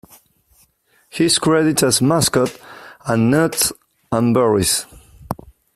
He is credited as "Mascot," and "Nuts and Berries.